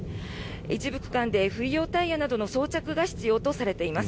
一部区間で冬用タイヤなどの装着が必要とされています。